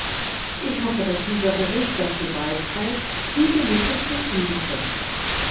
Ich hoffe, dass dieser Bericht dazu beiträgt, diese Lücke zu schließen.